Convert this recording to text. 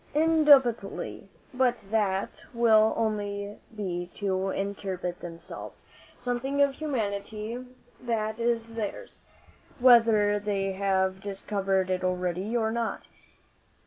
"Indubitably; but that will only be to interpret themselves something of humanity that is theirs, whether they have discovered it already or not.